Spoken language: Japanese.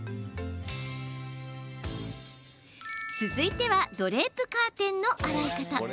続いてはドレープカーテンの洗い方。